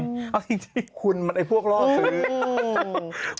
เอาจริงคุณมันไอ้พวกล่อซื้อ